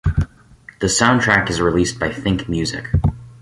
The soundtrack is released by Think Music.